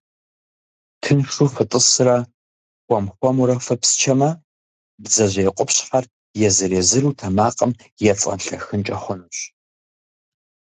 Тыншу фытӏысрэ хуэм-хуэмурэ фыпсчэмэ, бдзэжьей къупщхьэр езыр-езыру тэмакъым ецӏэнлъэхынкӏэ хъунущ.